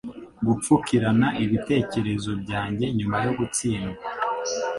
Gupfukirana ibitekerezo byanjye nyuma yo gutsindwa